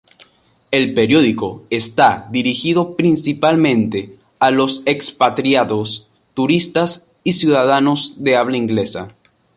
El periódico está dirigido, principalmente, a los expatriados, turistas y ciudadanos de habla inglesa.